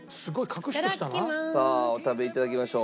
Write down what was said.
さあお食べいただきましょう。